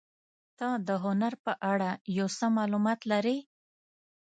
ته د هنر په اړه یو څه معلومات لرې؟